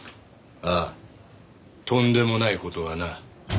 ああとんでもない事がな。